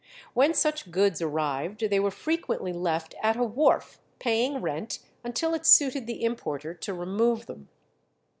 When such goods arrived they were frequently left at a wharf, paying rent until it suited the importer to remove them.